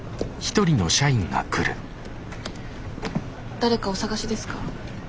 誰かお探しですか？